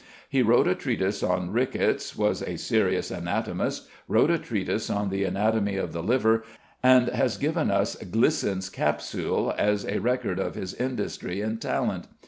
He wrote a treatise on Rickets, was a serious anatomist, wrote a treatise on the Anatomy of the Liver, and has given us "Glisson's Capsule" as a record of his industry and talent.